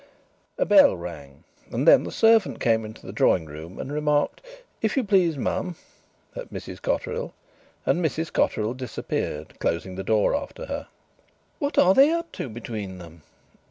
A bell rang, and then the servant came into the drawing room and remarked: "If you please, mum," at Mrs Cotterill, and Mrs Cotterill disappeared, closing the door after her. "What are they up to, between them?"